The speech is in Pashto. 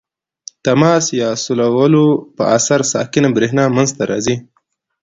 د تماس یا سولولو په اثر ساکنه برېښنا منځ ته راځي.